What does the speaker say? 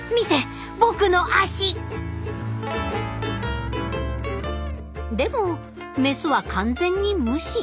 僕の足でもメスは完全に無視。